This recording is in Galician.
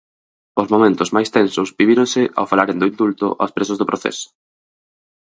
Os momentos máis tensos vivíronse ao falaren do indulto aos presos do Procés.